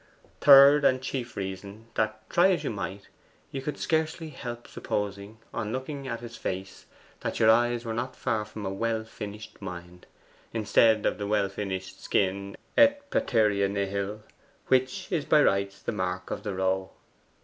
Third, and chief reason, that try how you might, you could scarcely help supposing, on looking at his face, that your eyes were not far from a well finished mind, instead of the well finished skin et praeterea nihil, which is by rights the Mark of the Row.